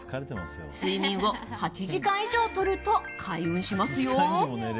睡眠を８時間以上とると開運しますよ。